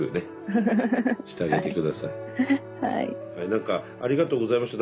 何かありがとうございました。